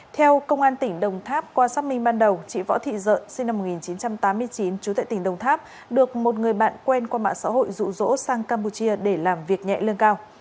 theo công an tỉnh đồng tháp qua xác minh ban đầu chị võ thị dợn sinh năm một nghìn chín trăm tám mươi chín chú tại tỉnh đồng tháp được một người bạn quen qua mạng xã hội rụ rỗ sang campuchia để làm việc nhẹ lương cao